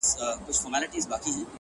كوټه ښېراوي هر ماښام كومه.